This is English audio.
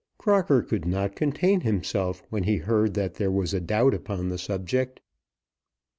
Crocker could not contain himself when he heard that there was a doubt upon the subject.